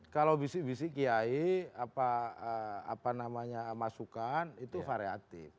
kalau bisik bisik kiai apa namanya masukan itu variatif